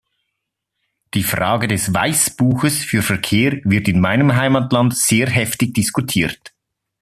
Die Frage des Weißbuches für Verkehr wird in meinem Heimatland sehr heftig diskutiert.